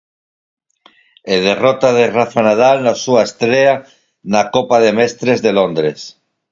E derrota de Rafa Nadal na súa estrea na Copa de Mestres de Londres.